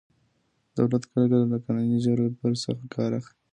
دولت کله کله له قانوني جبر څخه کار اخلي.